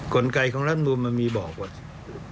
กลไกของรัฐนูรมันมีบอกว่า